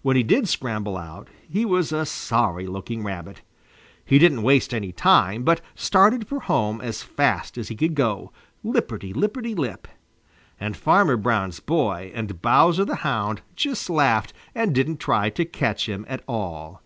When he did scramble out, he was a sorry looking Rabbit. He didn't waste any time, but started for home as fast as he could go, lipperty lipperty lip. And Farmer Brown's boy and Bowser the Hound just laughed and didn't try to catch him at all.